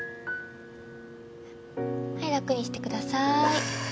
はい楽にしてくださーい。